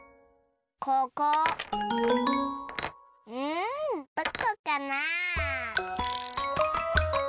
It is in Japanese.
うんどこかな？